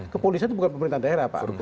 kepolisian itu bukan pemerintahan daerah pak